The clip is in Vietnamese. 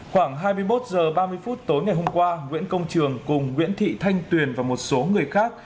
khoảng hai mươi một h ba mươi phút tối ngày hôm qua nguyễn công trường cùng nguyễn thị thanh tuyền và một số người khác